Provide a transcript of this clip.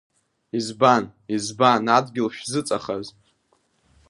Избан, избан, адгьыл шәзыҵахаз?